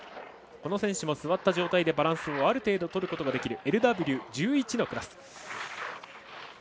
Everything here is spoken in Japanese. この選手も座った状態でバランスをある程度とることができるＬＷ１１のクラス。